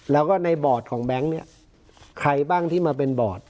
แล้วก็ในบอร์ดของแบงค์เนี่ยใครบ้างที่มาเป็นบอร์ด